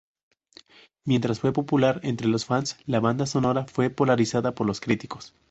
Mientras fue popular entre los fans, la banda sonora fue polarizada por los críticos.